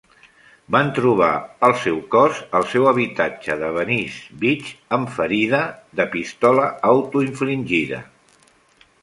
Van trobar el seu cos al seu habitatge de Venice Beach amb ferida de pistola auto infligida.